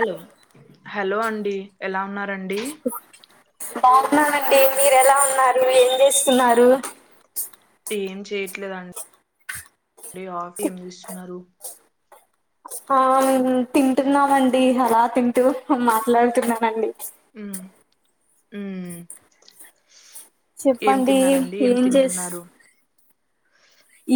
Hello hello అండి ఎలా ఉన్నారండి. బాగున్నానండి మీరు ఎలా ఉన్నారు ఏం చేస్తున్నారు. ఏం చేయట్లేదన్ డి ఆఫీ ఏం దీస్తున్నారు హా నేను తింటున్నామండి అలా తింటూ మాట్లాడుతున్నానండి ఉమ్ ఉమ్మ్మ్ ఏం చెప్పండి తిన్నారండి ఏం తింటున్నారు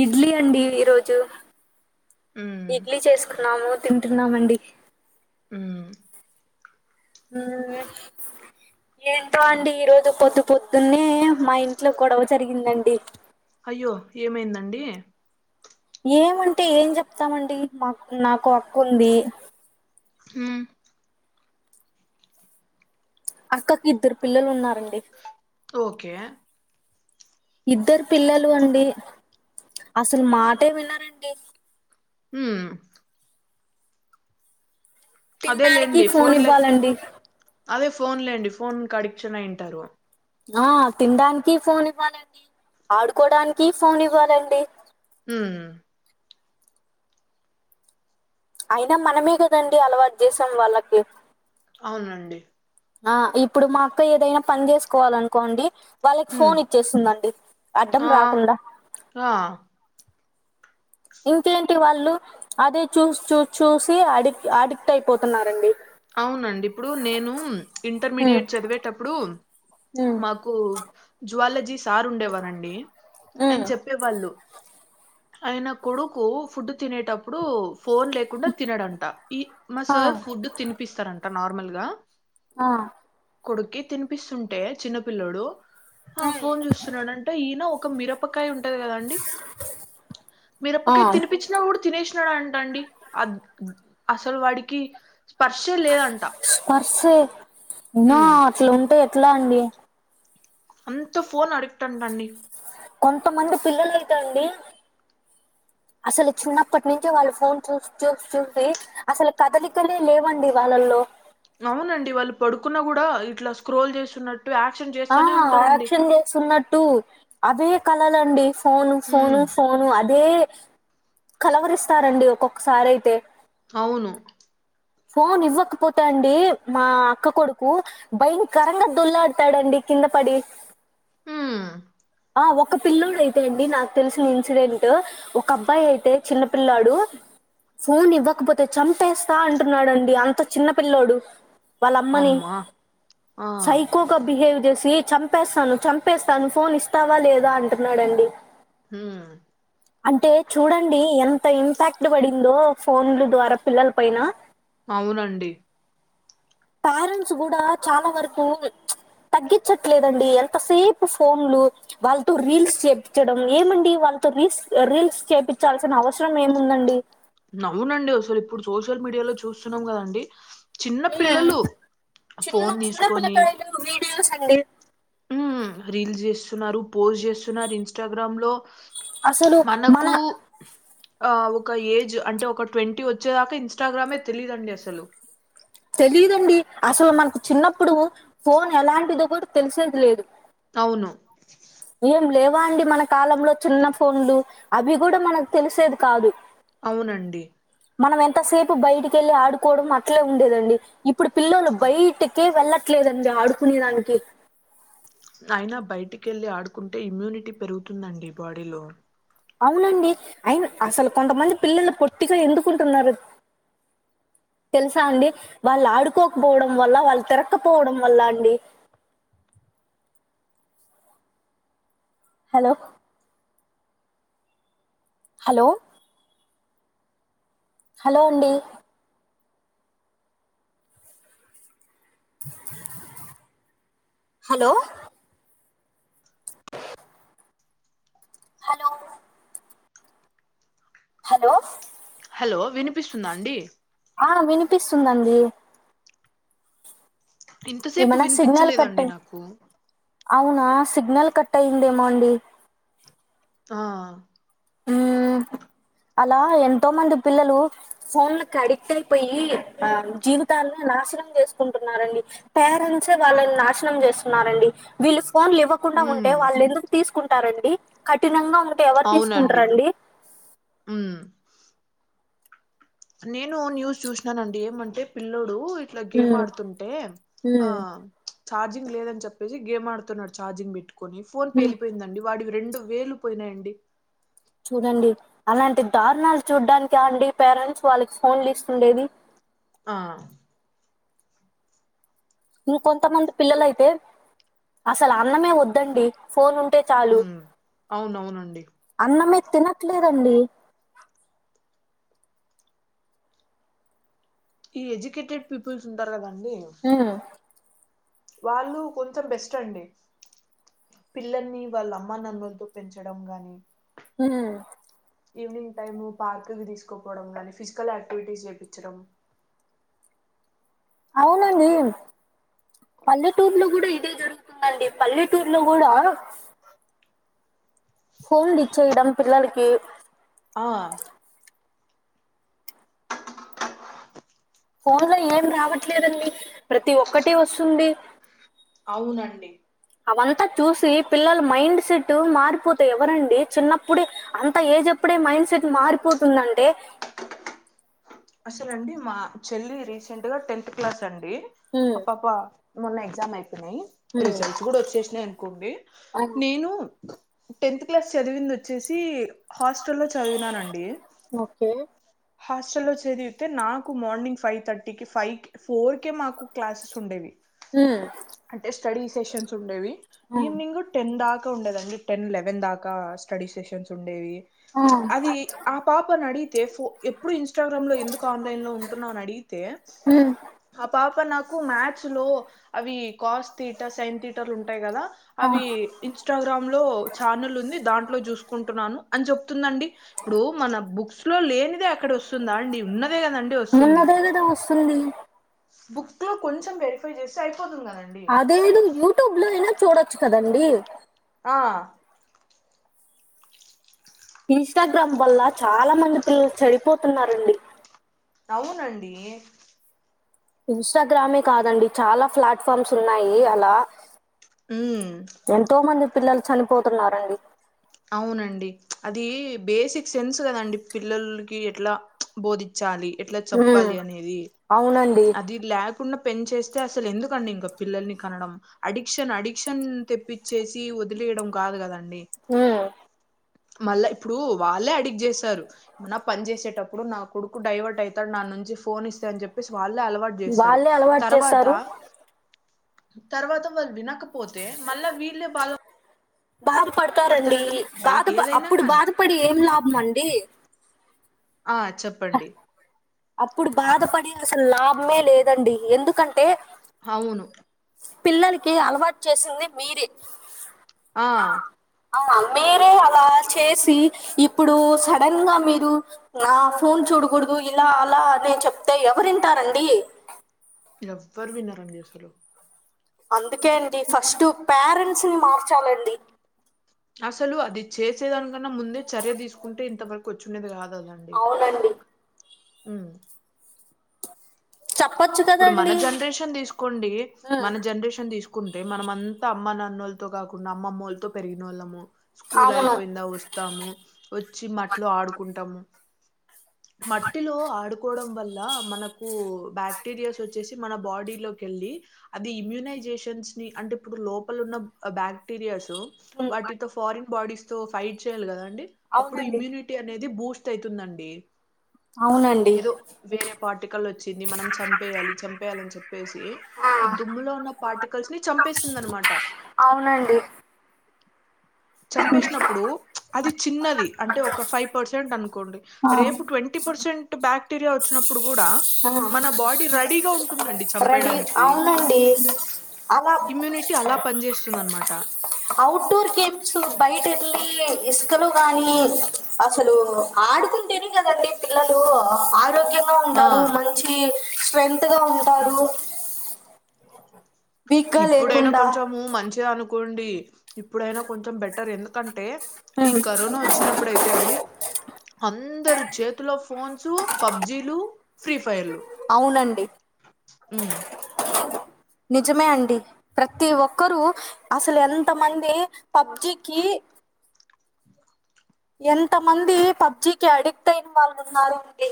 ఇడ్లీ అండి ఈరోజు ఉమ్ ఇడ్లీ చేసుకున్నాము తింటున్నామండి ఊమ్ ఊ వ్వె ఏంటో అండి ఈ రోజు పొద్దు పొద్దున్నే మా ఇంట్లో గొడవ జరిగిందండి అయ్యో ఏమైందండి ఏమంటే ఏం జెప్తామండి మాక్ నాకో అక్కుంది హుమ్ అక్కక్ ఇద్దర్ పిల్లలు ఉన్నారండి ఓకే ఇద్దరు పిల్లలు అండి అసలు మాటే వినరె ఊహ్మ్ అదే తినడానికి లేండి ఫోన్ లేత్ ఇవ్వాలండి అదే ఫోన్ లేండి ఫోన్ కడిక్షన్ అయ్యుంటారు ఆ తిండానికి ఫోన్ ఇవ్వాలండి ఆడుకోవడానికి ఫోన్ ఇవ్వాలండి ఉమ్మ్ అయినా మనమే కదండి అలవాట్ జేసాం వాళ్ళకి అవునండి ఆ ఇప్పుడు మా అక్క ఏదైనా పన్ చేసుకోవాలనుకోండి వాళ్ళక్ ఉమ్ ఫోన్ ఇచ్చేస్తుందండి అడ్డం ఆ రాకుండా ఆ ఇంకేంటి వాళ్ళు అదే చూస్ చూస్ చూసి అడిక్ అడిక్ట్ అయిపోతున్నారండి అవునండి ఇప్పుడు నేను ఉమ్ ఇంటర్మీడియట్ చదివేటప్పుడు మాక్ కు జువాలజీ సార్ ఉండేవారండి ఉమ్ ఆయన్ చెప్పేవాళ్ళు అయన కొడుకు ఫుడ్ తినేటప్పుడు ఫోన్ లేక్ కుండా తినడంట ఈ మా ఆ సార్ ఫుడ్ తినిపిస్తారంట నార్మల్ గా ఆ కొడుక్కి తినిపిస్తుంటే చిన్నపిల్లోడు ఆ ఫోన్ చూస్ తున్నాడంట ఈన ఒక మిరపకాయ్ ఉంటద్ కదాండి ఆ మిరపకాయ్ తినిపిచి చినప్పుడు తినేష్ నాడ్ అంట అండి అద్ అసల్ వాడికి స్పర్శల్ స్పర్సె న్నా ఉమ్, అట్లుంటే ఎట్ల అండి అంత ఫోన్ అడిక్ట్ అంటండి కొంతమంది పిల్లల్ అయితండి అసలు చిన్నప్పటి నుంచి వాళ్ళు ఫోన్ చూస్ చూస్ చూసి అసలు కదలికలే లేవండి వాళ్ళల్లో అవునండి వాళ్ళు పడుకున్న కూడా ఇట్లా స్క్రోల్ చేస్తున్నట్ టు యాక్షన్ జ్ ఆ ఆక్షన్ చేస్తున్నట్టు అదే కలలండి ఫోను ఫోను హ్మ్. ఫోను అదే కలవరిస్తారండి ఒక్కొక్కసారయితే అవును ఫోన్ ఇవ్వకపోతే అండి మా అక్క కొడుకు భయం కరంగా దొల్లాడుతాడండి కింద పడి ఊ ఆ ఒక్క పిల్లుడు అయితే అండి నాకు తెలిసిన ఇన్సిడెంట్ ఒక అబ్బాయ్ అయితే చిన్న పిల్లాడు ఫోన్ ఇవ్వకపోతే చంపేస్తా అంటున్నాడండి అంత చిన్నపిల్లోడు వాళ్ళ అమ్మని హమ్మా! ఆ! సైకో కొ బిహేవ్ జేసీ చంపేస్సాను చంపేస్తాను ఫోన్ ఇస్తావా లేదా అంటున్నాడండి హూ అంటే చూడండి ఎంత ఇంపాక్ట్ బడిందో ఫోన్లు ద్వారా పిల్లల్ పైన అవునండి పారెంట్స్ గూడా చాలా వరకు తగ్గిచ్చట్లేదండి ఎంతసేపు ఫోన్లు వాళ్ తో రీల్స్ చేపిచ్చడం ఏమండి వాళ్ తో రీల్స్ రీల్స్ చేపించాల్సిన అవసరం ఏముందండి నవునండి అసలు ఇప్పుడు సోషల్ మీడియాలో చూస్సున్నాం గదండి చిన్న హ్మ్ పిల్లలు చిన్న ఫోన్ చిన్న దీసుకొని పిల్లకాయలు వీడియోస్ అండి హ్మ్ రీల్స్ జేస్సున్నారు పోస్ట్ జేస్సున్నారు ఇన్స్టాగ్రామ్ లో అసలు మన మనకూ ఆ ఒక ఏజ్ అంటే ఒక ట్వంటీ వచ్చేదాకా ఇన్స్టాగ్రామే తెలీదండి అసలు తేలీదండి అసలు మనకు చిన్నప్పుడూ ఫోన్ ఎలాంటిదో కూడ తెలిసేది లేదు అవును ఏం లేవా అండి మన కాలంలో చిన్న ఫోన్లు అవి గూడ మనకు తెలిసేది కాదు అవునండి మనం ఎంతసేపు బయటికి ఎళ్ళి ఆడుకోవడం అట్లే ఉండేదండి ఇప్పుడు పిల్లోలు బయటి కీ వెళ్లట్లేదండి ఆడుకునే దానికి అయినా బయటికి ఎళ్ళి ఆడుకుంటే ఇమ్యూనిటీ పెరుగుతుందండి బాడీలో అవునండి అయిన అసలు కొంతమంది పిల్లలు పొట్టిగా ఎందుకుంటున్నారు తెలుసా అండి వాళ్ళు ఆడుకోక్పోవడం వల్ల వాళ్ తిరక్కపోవడం వల్ల అండి హలో హలో హలో అండి హలో హలో హలో హలో వినిపిస్సుందా అండి ఆ వినిపిస్సుందండీ ఇంతసేపు ఏమనా సిగ్నల్ కట్ వినిపించలేదండి అయ్ నాకు అవునా సిగ్నల్ కట్ అయిందేమో అండి ఆ అలా ఎంతో మంది పిల్లలు ఫోన్లకు అడిక్ట్ అయ్ పొయ్యి ఆ జీవితాల్ని నాశనం జేసుకుంటున్నారండి పేరెంట్సే వాళ్ళని నాశనం జేస్సున్నారండి వీళ్ళు ఫోన్లు ఇవ్వ కుండా ఉమ్ ఉంటే వాళ్ళు ఎందుకు తీసుకుంటారండి కఠినంగా ఉంటే ఎవ అవునా అండి ఊ నేనూ న్యూస్ చూసినానండి ఏమంటే పిల్లోడూ ఇట్ల గేమ్ ఉమ్, ఆడుతుంటే ఆ ఉమ్. ఛార్జింగ్ లేదని చెప్పేసి గేమ్ ఆడుతున్నాడు ఛార్జింగ్ పెట్టుకని ఫోన్ ఉమ్, పేలిపోయిందండి వాడివి రెండు వేలు పోయినాయండి చూడండి అలాంటి దారుణాలు చూడ్డానికి అండి పేరెంట్స్ వాళ్ళకి ఫోన్లు ఇస్తుండేది ఆ ఇంకొంతమంది పిల్లలైతే అసలు అన్నమే వద్దండి ఫోన్ ఉంటే ఉ చాలు అవునవునండి అన్నమే తినట్లేరండి ఈ ఎడ్యుకేటెడ్ పీపుల్స్ ఉంటారు కదండి ఆ వాళ్ళు కొంచెం బెస్ట్ అండి పిల్లల్ని వాళ్ళ అమ్మనాన్నలతో పెంచడం గాని ఆ ఈవినింగ్ టైమ్ పార్క్ తీసుకోపోవడం కనీ ఫిజికల్ యాక్టివిటీస్ చేయించడం అవునండి పల్లెటూర్ లో కూడా ఇదే జరుగుతుందండి పల్లెటూర్ లో కూడా ఫోన్లు ఇచేయడం పిల్లలకి ఆ ఫోన్ లో ఏం రావట్లేదండి ప్రతి ఒక్కటి వస్తుంది అవునండి అవంతా చూసి పిల్లల మైండ్ సెట్ మారిపోతె ఎవరండి చిన్నప్పుడే అంత ఏజప్పుడే మైండ్ సెట్ మారిపోతుందంటే అసలు అండి మా చెల్లి రీసెంట్ గా టెన్త్ క్లాస్ అండి ఉమ్ ఆ పాప మొన్న ఎగ్జామ్ అయిపోయినాయి ఉమ్ రిజల్ట్స్ కూడా వచ్చేసినాయి అనుకోండి ఆ నేను టెన్త్ క్లాస్ చదివింది వచ్చేసి హాస్టల్లో చదివినానండి ఓకే హాస్టల్ లోంచి చదివితే నాకు మార్నింగ్ ఫైవ్ థర్టీ కి ఫైవ్ కి ఫోర్ కే మాకు క్లాసెస్ ఉండేవి ఊ అంటే స్టడీ సెషన్స్ ఉండేవి ఆ ఈవినింగ్ టెన్ దాకా ఉండేదండి టెన్ లెవెన్ దాకా స్టడీ సెషన్స్ ఉండేవి ఆ అది ఆ పాపనిడిగితే ఫో ఎప్పుడు ఇన్స్స్ట గ్రామ్లో ఎందుకు ఆన్లైన్ లో ఉంటున్నావాని అడిగితే ఉమ్ ఆ పాప నాకు మ్యాథ్స్ లో అవి కాస్ థిట సైన్ థిటలు ఉంటాయి కదా అవి ఇన్స్టాగ్రామ్ లో ఛానల్ ఉంది దాంట్లో చూసుకుంటున్నాను అని చెప్తుందండి ఇప్పుడు మన బుక్స్ లో లేనిదే అక్కడ వస్తుందా అండి ఉన్నదే కదండి వస్తుంది ఉన్నదే కదా వస్తుంది బుక్ లో కొంచెం వెరిఫై చేసి అయిపోతుంది కదం అదేనా యూట్యూబ్ లో అయినా చూడొచ్చు కదండి ఆ ఇన్స్టాగ్రామ్ వల్ల చాలా మంది పిల్లలు చడిపోతున్నారండి అవునండి ఇన్స్టాగ్రామే కాదండి చాలా ప్లాట్ఫామ్స్ ఉన్నాయి అలా ఊ ఎంతో మంది పిల్లలు చనిపోతున్నరండి అవునండి అది బేసిక్ సెన్స్ కదండి పిల్లలకి ఎట్లా బోధిచ్చాలి ఎట్లా ఉమ్ చెప్పాలి అనేది అవునండి అది లేకుండా పెన్చేస్తే అసలు ఎందుకండి ఇంకా పిల్లల్ని కనడం అడిక్షన్ అడిక్షన్ తెప్పిచ్చేసి వదిలేయడం కాదు కదండి ఊ మళ్ళా ఇప్పుడు వాళ్ళే అడిక్ట్ చేశారు మన పని చేసేటప్పుడు నా కొడుకు డైవర్ట్ అయితాడు నా నుంచి ఫోన్ ఇస్తే అని చెప్పేసి వాళ్ళే అలవాటు జేస్తారు వాళ్ళే అలవాటు తర్వాత చేస్తారు తర్వాత వాళ్ళు వినకపోతే మళ్ళా వీళ్ళే బాధ బాధపడతారండి బయట బాధప ఏదైనా అప్పుడు గాని బాధపడి ఏం లాభం అండి ఆ చెప్పండి అప్పుడు బాధపడి అసలు లాభమే లేదండి ఎందుకంటే అవును పిల్లలకి అలవాటు చేసింది మీరే ఆ ఆ మీరే అలా చేసి ఇప్పుడు సడన్ గా మీరు నా ఫోన్ చూడకూడదు ఇలా అలా నే చెప్తే ఎవరింటారండి ఎవ్వర్ వినరండి అసలు అందుకే అండి ఫస్ట్ పేరెంట్స్ ని మార్చాలండి అసలు అది చేసేదానికన్నా ముందే చర్య తీసుకుంటే ఇంతవరకు వచ్చుండేది కాదద అవునండి ఉ చెప్పొచ్చు ఇప్పుడు మన కదండి జనరేషన్ తీసుకోండి మన జనరేషన్ తీసుకో కుంటే మనం అంత అమ్మ నాన్నోళ్లతో కాకుండా అమ్మమ్మోళ్లతో పెరిగినోళ్ళము స్కూల్ అవును అయిపోయిందా వస్తాము వచ్చి మట్లో ఆడుకుంటాము మట్టిలో ఆడుకోవడం వల్ల మనకు బ్యాట్ క్టీరియాస్ వచ్చేసి మన బాడీలోకెళ్ళి అది ఇమ్యూనైజేషన్స్ ని అంటే ఇప్పుడు లోపల ఉన్న ఆ బ్యా క్టీరియాస్ ఉమ్, వాటితో ఫారిన్ బాడీస్ తో ఫైట్ చేయాలి కదా అండి అప్పుడు ఇమ్యూనిట్ టీ అనేది బూస్ట్ అయితుందండి అవునండి ఏదో వేరే పార్టికల్ వచ్చింది మనం సం పేయాలి చంపేయాలని చెప్పేసి ఈ దుమ్ములో ఉన్న పార్టికల్స్ ని చంపేస్తుంది అనమాట అవునండి చంపేసినప్పుడు అది చిన్నది అంటే ఒక ఫైవ్ పర్సెంట్ అనుకోండి ఆ రేపు ట్వంటీ పర్సెంట్ బాక్టీరియా వచ్చినప్పుడు కూడా ఆ మన బాడీ రెడీగా ఉంటుందండి రెడీ చంపేయడానికి అవునండి అలా ఇమ్యూనిట్ టీ అలా పని చేేస్తుంది అనమాట ఔట్ డోర్ గేమ్స్ బయటెళ్ళి ఇసుకలో గాని అసలు ఆడుకుంటేనే కదండి పిల్లలు ఆరోగ్యం గా ఆ ఉంటారు మంచి స్ట్రెంగ్త్ గా ఉంటారు వీక్ గా ఇప్పుడైనా లేకుండా కొంచము మంచిగా అనుకోండి ఇప్పుడైనా కొంచెం బెటర్ ఎందుకంటే ఈ కరోనా వచ్చినప్పుడు అయితే అండి అందరు చేతిలో ఫోన్సు పబ్జీలు ఫ్రీ ఫైర్లు అవునండి ఉమ్, నిజమే అండి ప్రతి ఒక్కరూ అసలు ఎంత మంది పబ్జికి ఎంత మంది పబ్జికి అడిక్ట్ అయిన వాళ్ళు ఉన్నారో అండి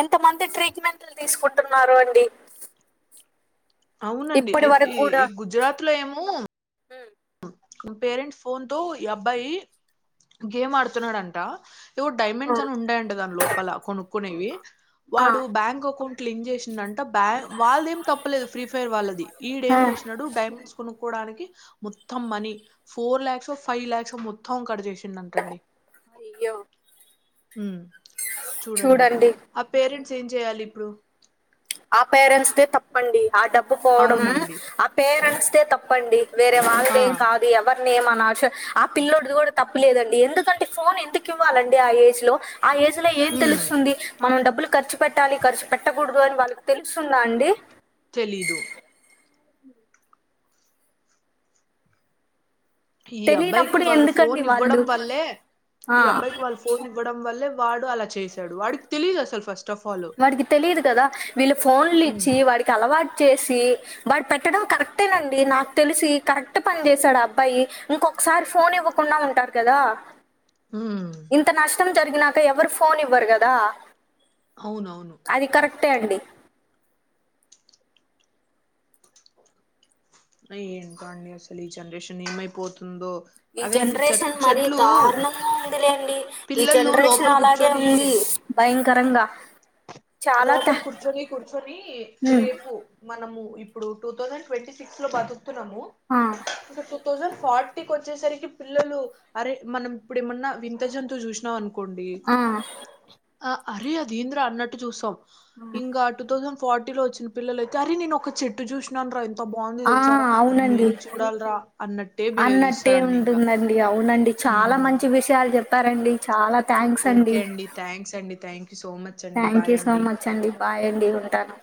ఎంత మంది ట్రీట్మెంట్లు తీసుకుంటున్నారో అండి అవునండి ఇప్పటి అయితే వరకు ఈ కూడా ఈ గుజరాత్ లో ఏమో పేరెంట్స్ ఫోన్ తో ఈ అబ్బాయి గేమ్ ఆడుతున్నాడంట డైమండ్స్ అని ఉంటాయంట దాని లోపల కొనుక్కునేవి వాడు బ్యాంక్ అకౌంట్ లింక్ చేసి అంట బ్యా వాళ్ళది ఏం తప్పులేదు ఫ్రీ ఫైర్ వాళ్ళది వీడు ఏం ఆ చేసినడు డైమండ్స్ కొనుకోడానికి మొత్తం money four lakhs five lakhs మొత్తం మొత్తం కట్ చేసిండ అంటండి అయ్యో ఉమ్ చూడండి ఆ పేరెంట్స్ ఏం చేయాలి ఇప్పుడు ఆ పేరెంట్స్ దే తప్పండి ఆ డబ్బు పోవడం అవునండి ఆ పేరెంట్స్ దే తప్పండి వేరే ఆ వాళ్ళదెం కాదు ఎవరిని ఏం అనాల్సి ఆ పిల్ల్లోడిది కూడా తప్పు లేదండి ఎందుకంటే ఫోన్ ఎందుకు ఇవ్వాలండి ఆ ఏజ్ లో ఆ ఏజ్ లో ఏం ఉమ్ తెలుస్తుంది మనం డబ్బులు ఖర్చు పెట్టాలి ఖర్చు పెట్టకూడదు అని వాళ్ళకి తెలుస్తుందా అండి తెలీదు ఈ అబ్బాయికి తెలియనప్పుడు వాళ్ళు ఫోన్ ఎందుకండి ఇవ్వడం వాళ్ళు వల్లే ఆ ఈ అబ్బాయికి వాళ్ళు ఫోన్ ఇవ్వ డం వల్లే వాడు అలా చేశాడు వాడికి తెలిదు అసలు ఫస్ట్ ఆఫ్ ఆల్ వాడికి తెలిదు కదా వీళ్ళు ఫోన్లు ఉమ్ ఇచ్చి వాడికి అలవాటు చేసి వాడు పెట్టడం కరెక్టేనండి నాకు తెలిసి కరెక్ట్ పని చేసాడు ఆ అబ్బాయి ఇంకొకసారి ఫోన్ ఇవ్వకుండా ఉంటారు కదా ఉమ్మ్ ఇంత నష్టం జరిగినాక ఎవరు ఫోన్ ఇవ్వరు కదా అవునవును అది కరెక్టే అండి అ ఏంటో అండి అసలు ఈ జనరేషన్ ఏమైపోతుందో ఈ అదే అండి చె జనరేషన్ మరి చెట్లు దారుణంగా ఉందిలేండి ఈ పిల్లలు జనరేషన్ లోపల అలాగే కూర్చొని ఉంది భయంకరంగా చాలా థా లోపల కూర్చొని కూర్చొని ఉమ్, రేపు మనము ఇప్పుడు టూ థౌజండ్ ట్వంటీ సిక్స్ లో బతుకున్నాము ఇంక టు థౌసండ్ ఫార్టీకి వచ్చేసరికి పిల్లలు అరే మనం ఇప్పుడు ఏమన్నా వింతజంతువు చూసినాం అను కొండి ఆ అరే అదేంది రా అన్నట్టు చూస్తాం ఇంకా టూ థౌసండ్ ఫార్టీలో వచ్చిన పిల్లయితే అరే నేను ఒక చెట్టు చూసి నను రా ఎంత బాగుంది ఆ తెలుసారా అరే అవునండి నేను చూడాలరా అన్నట్టే బిహేవ్ అన్నట్టే చేస్తారండి ఇంకా ఉంటుందండి అవునండి చాలా మంచి విషయాలు చెప్పారండి చాలా థ్యాంక్స్ అండి ఓకే థ్యాంక్స్ అండి. థ్యాంక్ యూ సో మచ్ అండి. Thank you bye so much అండి బాయ్ అండి ఉంటాను